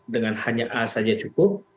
dengan hanya a saja cukup